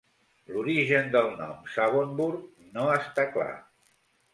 L'origen del nom "Savonburg" no està clar.